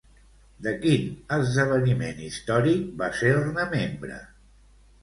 De quin esdeveniment històric va ser-ne membre?